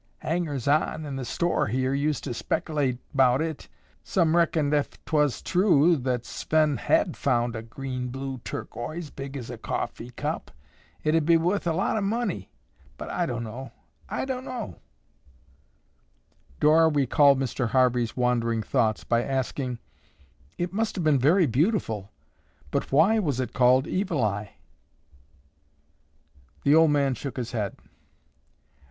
Hangers on in the store here used to spec'late 'bout it. Some reckoned, ef 'twas true that Sven had found a green blue turquoise big as a coffee cup, it'd be wurth a lot o' money, but I dunno, I dunno!" Dora recalled Mr. Harvey's wandering thoughts by asking, "It must have been very beautiful, but why was it called 'Evil Eye?'" The old man shook his head.